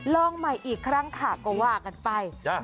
ลองใหม่อีกครั้งค่ะก็ว่ากันไป